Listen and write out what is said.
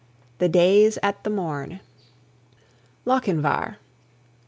The Day's at the Morn LOCHINVAR.